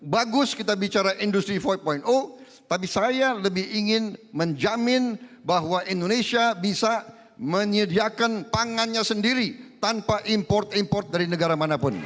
bagus kita bicara industri empat tapi saya lebih ingin menjamin bahwa indonesia bisa menyediakan pangannya sendiri tanpa import import dari negara manapun